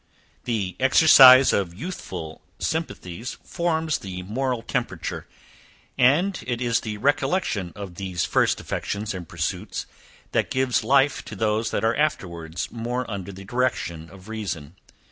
The exercise of youthful sympathies forms the moral temperature; and it is the recollection of these first affections and pursuits, that gives life to those that are afterwards more under the direction of reason.